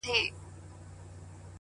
كه وي ژړا كه وي خندا پر كلي شپه تېــروم,